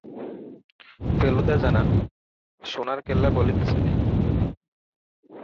ফেলুদা জানান, সোনার কেল্লা বলে কিছু নেই।